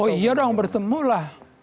oh iya dong bersembuh lah